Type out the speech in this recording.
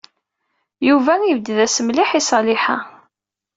Yuba yebded-as mliḥ i Ṣaliḥa.